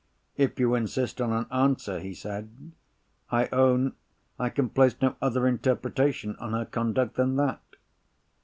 "If you insist on an answer," he said, "I own I can place no other interpretation on her conduct than that."